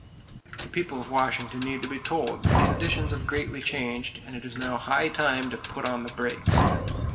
The people of Washington need to be told that conditions have greatly changed, and it is now high time to put on the brakes.